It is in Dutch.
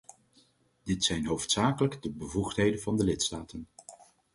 Dit zijn hoofdzakelijk de bevoegdheden van de lidstaten.